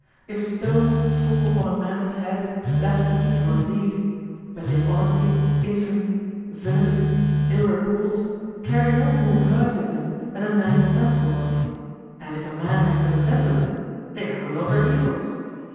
If a stone fall upon a man's head, that's evil indeed; but dishonesty, infamy, villainy, ill reports carry no more hurt in them than a man is sensible of; and if a man have no sense of them, they are no longer evils.